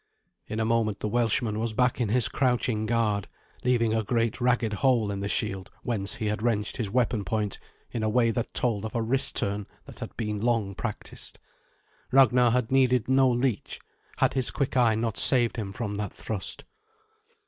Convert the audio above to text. In a moment the Welshman was back in his crouching guard, leaving a great ragged hole in the shield whence he had wrenched his weapon point in a way that told of a wrist turn that had been long practised. Ragnar had needed no leech, had his quick eye not saved him from that thrust.